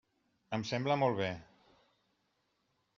Em sembla molt bé.